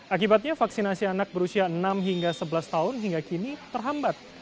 akibatnya vaksinasi anak berusia enam hingga sebelas tahun hingga kini terhambat